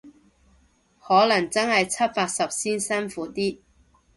可能真係七八十先辛苦啲